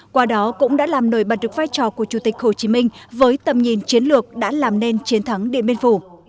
qua đó cũng đã làm nổi bật được vai trò của chủ tịch hồ chí minh với tầm nhìn chiến lược đã làm nên chiến thắng điện biên phủ